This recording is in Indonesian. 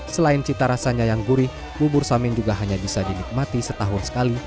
selain cita rasanya yang gurih bubur samin juga hanya bisa dinikmati setahun sekali